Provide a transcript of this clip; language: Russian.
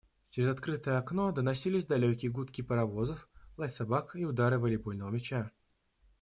Через открытое окно доносились далекие гудки паровозов, лай собак и удары волейбольного мяча.